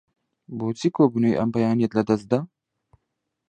بۆچی کۆبوونەوەی ئەم بەیانییەت لەدەست دا؟